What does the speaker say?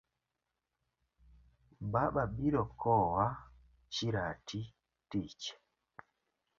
Baba biro koa shirati tich.